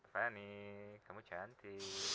fanny kamu cantik